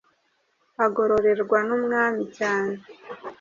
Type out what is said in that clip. agororerwa n’umwami cyane,